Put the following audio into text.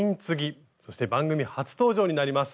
そして番組初登場になります